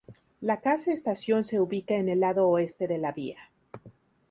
La casa estación se ubica en el lado oeste de la vía.